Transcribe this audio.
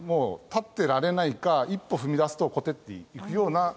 立ってられないか一歩踏み出すとコテッていくような